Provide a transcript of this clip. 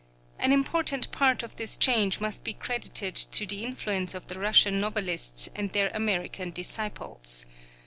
An important part of this change must be credited to the influence of the Russian novelists and their American disciples.